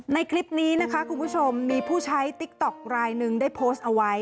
ในคลิปนี้นะคะคุณผู้ชมมีผู้ใช้ติ๊กต๊อกรายหนึ่งได้โพสต์เอาไว้